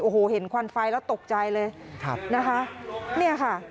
โอ้โหเห็นควันไฟแล้วตกใจเลยครับนะคะเนี่ยค่ะ